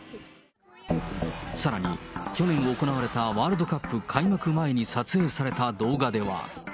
さらに、去年行われたワールドカップ開幕前に撮影された動画では。